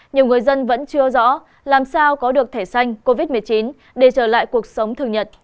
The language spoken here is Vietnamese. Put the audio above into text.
nhiều người dân vẫn chưa rõ làm sao có được thẻ xanh covid một mươi chín để trở lại cuộc sống thường nhật